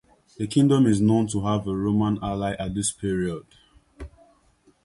The kingdom is known to have been a Roman ally at this period.